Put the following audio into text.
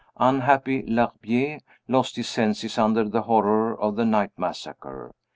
Unhappy L'Herbier lost his senses under the horror of the night massacre.